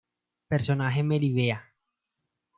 Personaje Melibea.